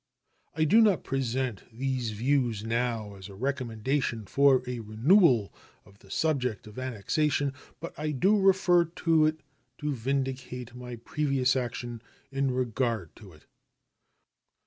I do not present these views now as a recommendation for a renewal of the subject of annexation, but I do refer to it to vindicate my previous action in regard to it.